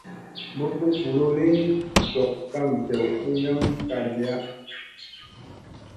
Bup bup bululi dok kam dew u yam kar giya.